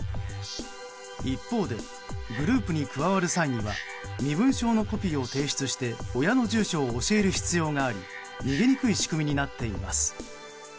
一方で、グループに加わる際には身分証のコピーを提出して親の住所を教える必要があり逃げにくい仕組みになっています。